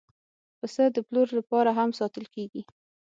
پسه د پلور لپاره هم ساتل کېږي.